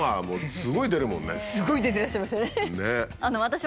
すごい出てらっしゃいましたね。